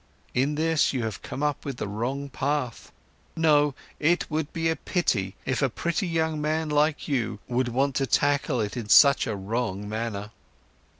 In this, you have come up with the wrong path. No, it would be a pity, if a pretty young man like you would want to tackle it in such a wrong manner."